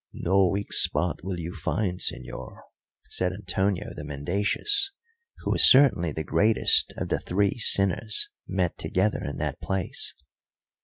"No weak spot will you find, señor," said Antonio the mendacious, who was certainly the greatest of the three sinners met together in that place.